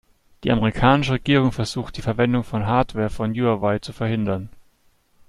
Die amerikanische Regierung versucht die Verwendung von Hardware von Huawei zu verhindern.